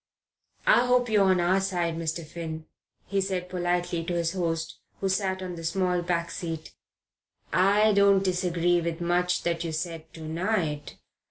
"I hope you're on our side, Mr. Finn," he said politely to his host, who sat on the small back seat. "I don't disagree with much that you said to night.